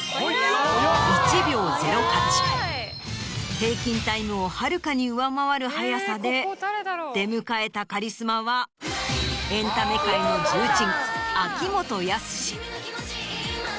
平均タイムをはるかに上回る速さで出迎えたカリスマはエンタメ界の重鎮。